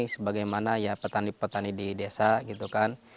sebagai mana ya petani petani di desa gitu kan